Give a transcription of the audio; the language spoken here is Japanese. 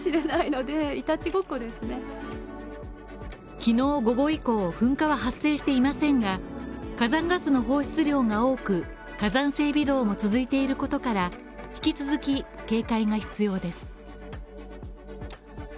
昨日午後以降噴火は発生していませんが火山ガスの放出量が多く火山性微動も続いていることから、引き続き警戒が必要です。